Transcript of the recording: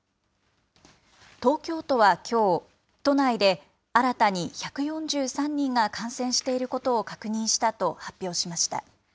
東京都はきょう、都内で新たに１４３人が感染していることを確認したと発表しました。